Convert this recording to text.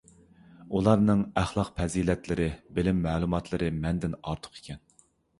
ئۇلارنىڭ ئەخلاق - پەزىلەتلىرى، بىلىم - مەلۇماتلىرى مەندىن ئارتۇق ئىكەن.